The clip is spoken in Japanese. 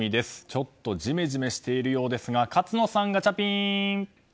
ちょっとジメジメしているようですが勝野さん、ガチャピン！